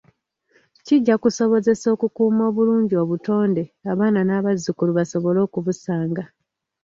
Kijja kusobozesa okukuuma obulungi obutonde abaana n’abazzukulu basobole okubusanga.